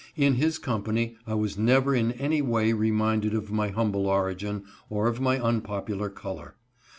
In his company I was never in any way reminded of my humble origin, or of my unpopular color.